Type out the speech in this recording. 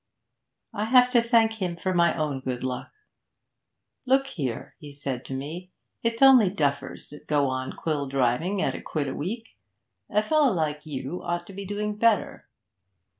'I have to thank him for my own good luck. "Look here," he said to me, "it's only duffers that go on quill driving at a quid a week. A fellow like you ought to be doing better."